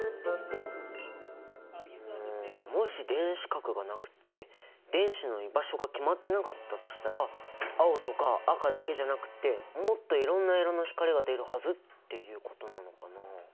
うんもし電子殻がなくって電子の居場所が決まってなかったとしたら青とか赤だけじゃなくってもっといろんな色の光が出るはずっていうことなのかな？